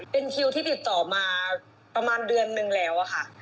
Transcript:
เป็นคิวที่ติดต่อมาประมาณเดือนนึงแล้วอะค่ะ